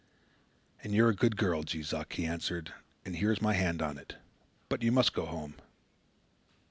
"And you're a good girl, Jees Uck," he answered. "And here's my hand on it. But you must go home."